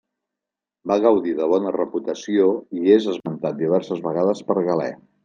Va gaudir de bona reputació i és esmentat diverses vegades per Galè.